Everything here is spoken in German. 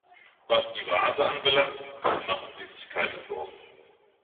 Was die Vase anbelangt, machen Sie sich keine Sorgen.